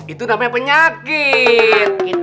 itu namanya penyakit